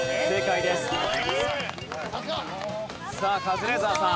さあカズレーザーさん。